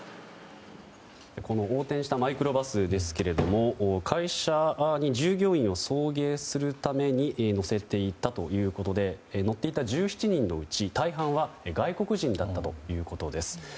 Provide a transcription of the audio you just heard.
この横転したマイクロバスですが会社に従業員を送迎するために乗せていたということで乗っていた１７人のうち大半は外国人だったということです。